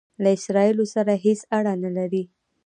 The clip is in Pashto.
له اسراییلو سره هیڅ اړه نه لري.